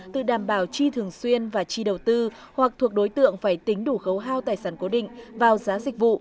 từ đảm bảo chi thường xuyên và chi đầu tư hoặc thuộc đối tượng phải tính đủ khấu hao tài sản cố định vào giá dịch vụ